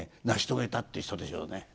成し遂げたっていう人でしょうね。